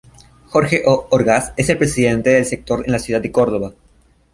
Jorge O. Orgaz es el presidente del sector en la ciudad de Córdoba.